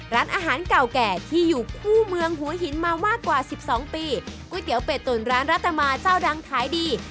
ร้านอาหารเก่าแก่ที่อยู่คู่เมืองหัวหินมามากกว่าสิบสองปีก๋วยเตี๋ยเป็ดตุ๋นร้านรัตมาเจ้าดังขายดี